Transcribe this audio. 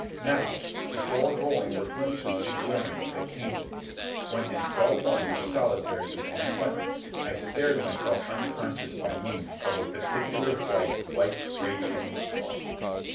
Now, the foregoing were the glimpses and glimmerings that came to me, when, in Cell One of Solitary in San Quentin, I stared myself unconscious by means of a particle of bright, light radiating straw.